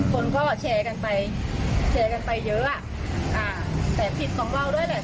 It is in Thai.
คนก็แชร์กันไปแชร์กันไปเยอะอ่ะอ่าแต่ผิดของเราด้วยแหละ